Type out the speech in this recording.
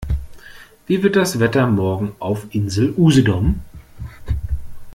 Wie wird das Wetter morgen auf Insel Usedom?